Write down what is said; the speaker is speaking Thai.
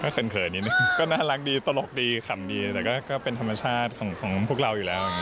เขินนิดนึงก็น่ารักดีตลกดีขำดีแต่ก็เป็นธรรมชาติของพวกเราอยู่แล้ว